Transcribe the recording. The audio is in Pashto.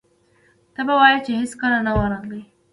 ته به وایې چې هېڅکله نه و راغلي.